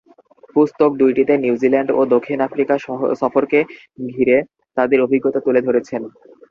পুস্তক দুইটিতে নিউজিল্যান্ড ও দক্ষিণ আফ্রিকা সফরকে ঘিরে তাদের অভিজ্ঞতা তুলে ধরেছেন।